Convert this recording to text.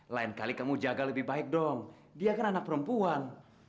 lain kali kamu jaga lebih baik dong dia kan anak perempuan